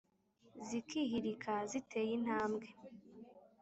zikihirika ziteye intambwe